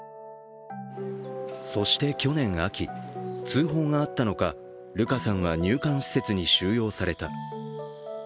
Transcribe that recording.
そして去年秋、通報があったのかルカさんは入管施設に収容された。